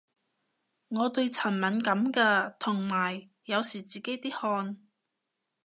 我對塵敏感嘅，同埋有時自己啲汗